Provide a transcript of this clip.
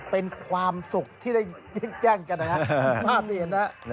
เป็นความสุขที่ได้ยิ่งแจ้งกันนะครับมากเลยนะ